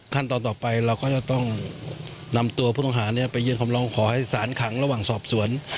ขั้นตอนต่อไปเราก็จะต้องนำตัวผู้ต้องหาไปยื่นคำร้องขอให้สารขังระหว่างสอบสวน